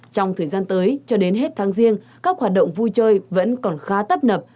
trong thời gian tới cho đến hết tháng riêng các hoạt động vui chơi vẫn còn khá tấp nập